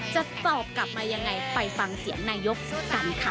จะตอบกลับมายังไงไปฟังเสียงนายกสักกันค่ะ